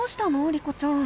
リコちゃん。